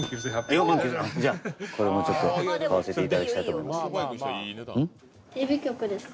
じゃあこれを買わせていただきたいと思います。